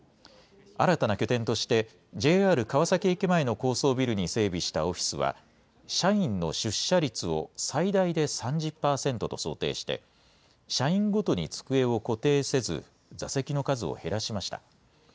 新たな拠点として、ＪＲ川崎駅前の高層ビルに整備したオフィスは、社員の出社率を最大で３０％と想定して、社員ごとに机を固定せず、座席の数を減らしました。